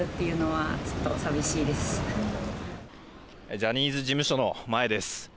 ジャニーズ事務所の前です。